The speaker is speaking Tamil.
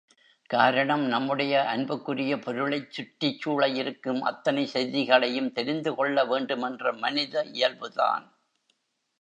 காரணம், நம்முடைய அன்புக்குரிய பொருளைச் சுற்றிச் சூழ இருக்கும் அத்தனை செய்திகளையும் தெரிந்து கொள்ள வேண்டுமென்ற மனித இயல்புதான்.